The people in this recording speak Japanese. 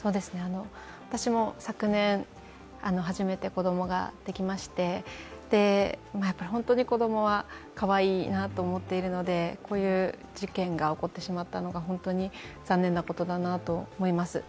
私も昨年、初めて子供ができまして、本当に子供はかわいいなと思っているのでこういう事件が起こってしまったのが本当に残念なことだなと思います。